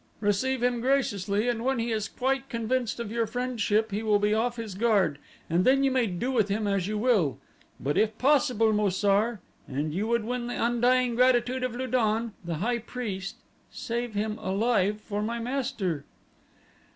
"Receive him graciously and when he is quite convinced of your friendship he will be off his guard, and then you may do with him as you will. But if possible, Mo sar, and you would win the undying gratitude of Lu don, the high priest, save him alive for my master."